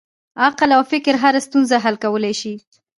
عقل او فکر هره ستونزه حل کولی شي.